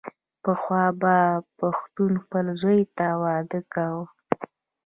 پخوا به پښتنو خپل زوی ته واده کاوو.